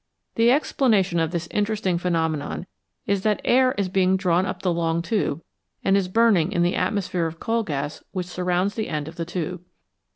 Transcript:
The explanation of this interesting phenomenon is that air is being drawn up the long tube and is burning in the atmosphere of coal gas which surrounds the end of the flame of tube.